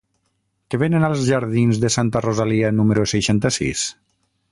Què venen als jardins de Santa Rosalia número seixanta-sis?